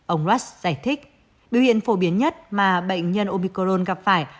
ông watts giải thích biểu hiện phổ biến nhất mà bệnh nhân omicron gặp phải